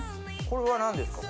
これは何ですか？